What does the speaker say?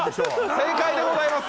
正解でございます！